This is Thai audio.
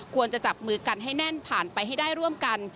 จับมือกันให้แน่นผ่านไปให้ได้ร่วมกัน